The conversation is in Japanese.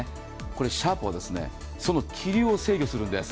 シャープは、その気流を制御するんです。